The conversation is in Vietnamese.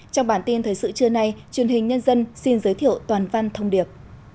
trong bản tin thời sự trưa nay truyền hình nhân dân xin giới thiệu toàn văn thông điệp